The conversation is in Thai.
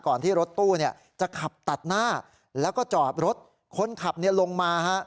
ที่รถตู้จะขับตัดหน้าแล้วก็จอดรถคนขับลงมาฮะ